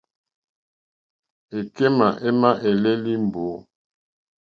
Èkémà émá èlélí è mbǒ.